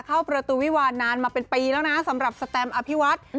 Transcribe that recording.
เข้าประตูวิวาลนานมาเป็นปีแล้วนะสำหรับสแตมอภิวัฒน์